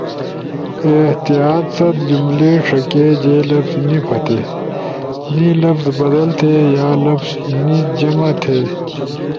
احتیاط ست جملئی ݜکے۔ جے لفظے نی پھتے۔ نی لفظ بدل تے۔ یا لفظ نی جمع تھے۔